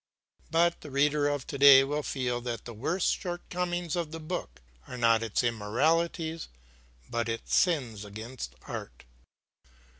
But the reader of today will feel that the worst shortcomings of the book are not its immoralities, but its sins against art.